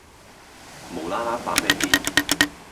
無啦啦發咩癲